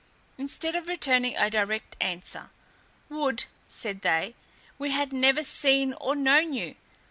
Instead of returning a direct answer, "Would," said they, "we had never seen or known you!